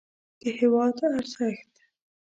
د هېواد ارزښت